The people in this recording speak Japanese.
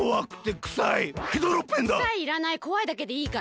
くさいいらないこわいだけでいいから。